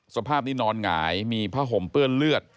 สภาพนี้นอนหงายมีผ้าห่มเปื้อนเลือด